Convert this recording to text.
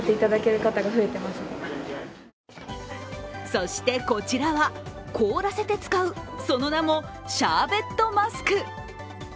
そして、こちらは凍らせて使う、その名もシャーベットマスク。